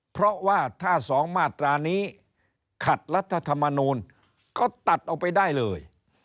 เพราะว่าถ้า๒มาตรานี้ขัดรัฐธรรมนูลก็ตัดออกไปได้เลย